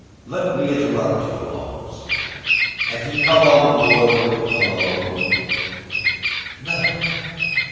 "Let me interrupt you for a moment. Had he come on board alone?" "No."